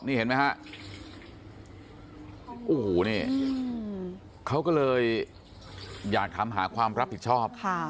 นี่เห็นไหมฮะโอ้โหนี่เขาก็เลยอยากถามหาความรับผิดชอบ